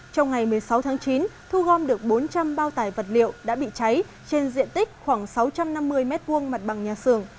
trong ngày một mươi sáu tháng chín thu gom được bốn trăm linh bao tải vật liệu đã bị cháy trên diện tích khoảng sáu trăm năm mươi m hai mặt bằng nhà xưởng